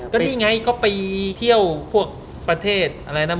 ก็นี่ไงก็ไปเที่ยวพวกประเทศอะไรนะ